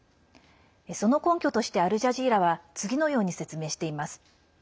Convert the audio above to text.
その根拠としてアルジャジーラは次のように説明しています。